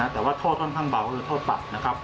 แต่ว่าโทษค่อนข้างเบาโทษปัด